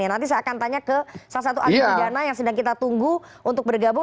nanti saya akan tanya ke salah satu ahli pidana yang sedang kita tunggu untuk bergabung